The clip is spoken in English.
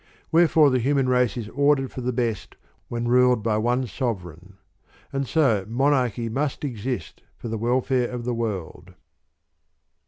Wherefore the human race is ordered for the best when ruled by one sovereign. And so Monarchy must exist for the welfare of the world.